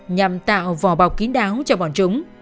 nhằm tạo vò bọc kín đáo cho bọn chúng